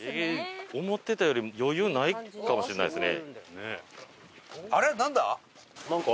思ってたより余裕ないかもしれないですね。